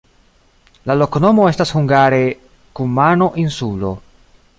La loknomo estas hungare: kumano-insulo.